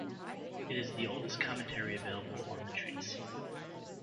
It is the oldest commentary available on the treatise.